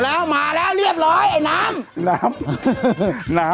กระดาษที่ยัดในท้าวนั่นจะจับดูใช่ไหมถุงเท้าหรือเปล่า